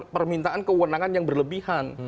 permintaan kewenangan yang berlebihan